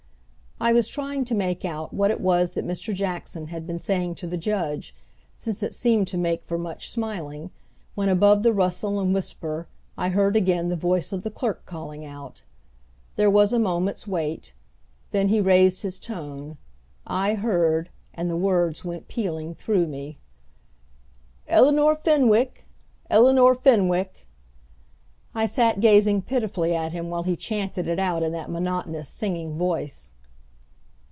I was trying to make out what it was that Mr. Jackson had been saying to the judge since it seemed to make for much smiling, when above the rustle and whisper I heard again the voice of the clerk calling out. There was a moment's wait. Then he raised his tone; I heard, and the words went pealing through me: "Eleanor Fenwick, Eleanor Fenwick!" I sat gazing pitifully at him while he chanted it out in that monotonous, singing voice.